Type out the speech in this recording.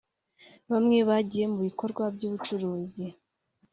Bamwe bagiye mu bikorwa by’ubucuruzi